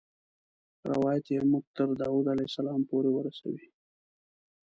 روایت یې موږ تر داود علیه السلام پورې ورسوي.